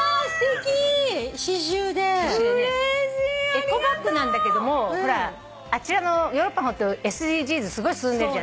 エコバッグなんだけどもほらあちらのヨーロッパＳＤＧｓすごい進んでるじゃない。